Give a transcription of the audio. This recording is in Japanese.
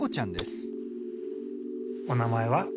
お名前は？